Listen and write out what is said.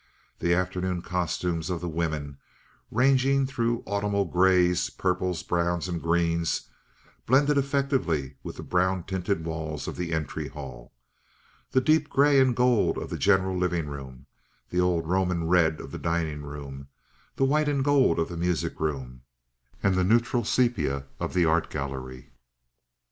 The afternoon costumes of the women, ranging through autumnal grays, purples, browns, and greens, blended effectively with the brown tinted walls of the entry hall, the deep gray and gold of the general living room, the old Roman red of the dining room, the white and gold of the music room, and the neutral sepia of the art gallery.